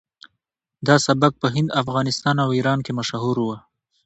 دا سبک په هند افغانستان او ایران کې مشهور و